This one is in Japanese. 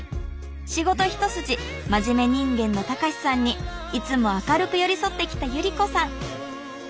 仕事一筋真面目人間の隆さんにいつも明るく寄り添ってきた百合子さん。